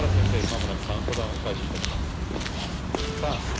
間もなくカウントダウンを開始いたします。